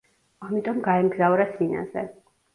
ამიტომ გაემგზავრა სინაზე.